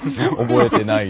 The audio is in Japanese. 覚えてない。